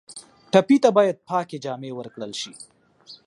ټپي ته باید پاکې جامې ورکړل شي.